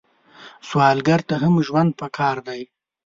سوالګر ته هم ژوند پکار دی